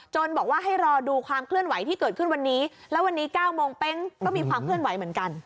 บอกว่าให้รอดูความเคลื่อนไหวที่เกิดขึ้นวันนี้แล้ววันนี้๙โมงเป๊งก็มีความเคลื่อนไหวเหมือนกัน